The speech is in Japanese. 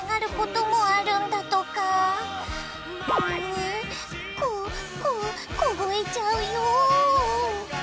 うここ凍えちゃうよ。